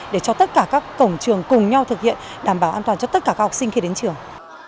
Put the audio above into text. để cho tất cả các cổng trường cùng nhau thực hiện đảm bảo an toàn cho tất cả các học sinh khi đến trường